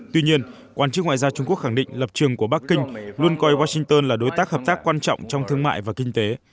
tuy nhiên quan chức ngoại giao trung quốc khẳng định lập trường của bắc kinh luôn coi washington là đối tác hợp tác quan trọng trong thương mại và kinh tế